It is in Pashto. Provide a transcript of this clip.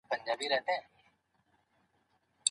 په اسلامي قلمرو کي هر څوک خوندي دی.